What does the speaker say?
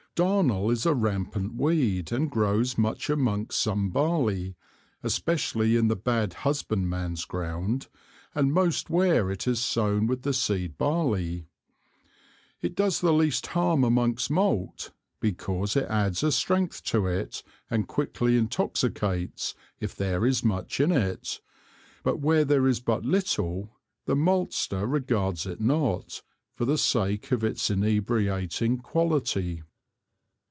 Darnel is a rampant Weed and grows much amongst some Barley, especially in the bad Husbandman's Ground, and most where it is sown with the Seed barley: It does the least harm amongst Malt, because it adds a strength to it, and quickly intoxicates, if there is much in it; but where there is but little, the Malster regards it not, for the sake of its inebriating quality.